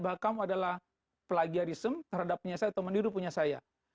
bahkan kamu adalah plagiarism terhadap punya saya atau mendiru punya saya